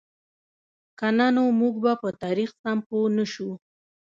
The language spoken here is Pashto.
که نه نو موږ به په تاریخ سم پوهـ نهشو.